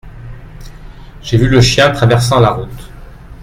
J’ai vu le chien traversant la route.